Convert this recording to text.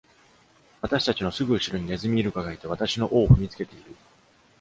私たちのすぐ後ろにネズミイルカがいて、私の尾を踏みつけている。